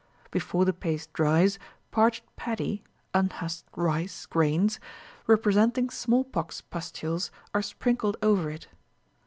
Before the paste dries, parched paddy (unhusked rice) grains, representing smallpox pustules, are sprinkled over it.